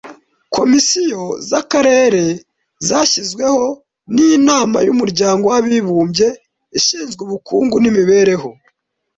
Komisiyo z’akarere zashyizweho n’inama y’umuryango w’abibumbye ishinzwe ubukungu n’imibereho